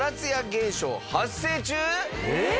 えっ！？